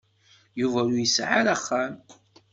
Yuba ur yesɛi axxam.